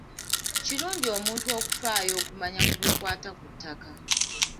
Kirungi omuntu okufaayo okumanya ku bikwata ku ttaka.